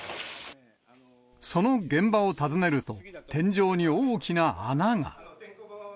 その現場を訪ねると、天井に大きな穴が。